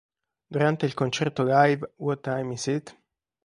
Durante il concerto live "What Time is It?